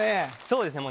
そうですね